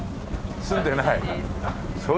住んでないです。